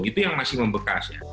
itu yang masih membekas